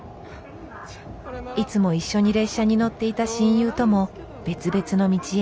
いつも一緒に列車に乗っていた親友とも別々の道へ。